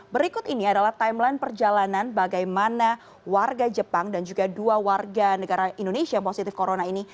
berikut ini adalah timeline perjalanan bagaimana warga jepang dan juga dua warga negara indonesia yang positif corona ini